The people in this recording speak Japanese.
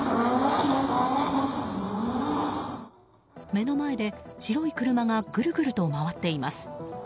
目の前で白い車がぐるぐると回っています。